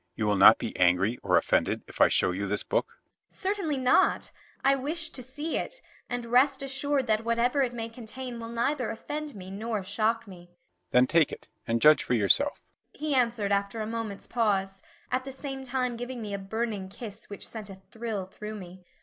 "You will not be angry or offended if I show you this book?" he exclaimed. "Certainly not I wish to see it, and rest assured that whatever it may contain will neither offend me nor shock me." "Then take it and judge for yourself," he answered after a moment's pause, at the same time giving me a burning kiss which sent a thrill through me.